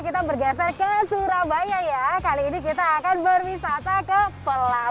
kita bergeser ke surabaya ya kali ini kita akan berwisata ke pelabuhan